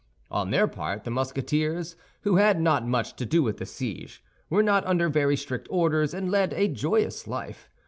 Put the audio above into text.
On their part the Musketeers, who had not much to do with the siege, were not under very strict orders and led a joyous life.